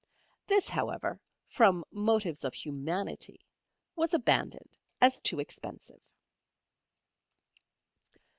This however, from motives of humanity, was abandoned as too expensive.